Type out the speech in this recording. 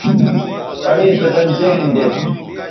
پڑےسو دَن ذہن دیت